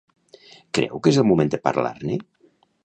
Creu que és el moment de parlar-ne?